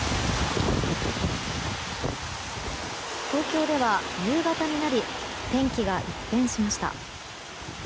東京では夕方になり天気が一変しました。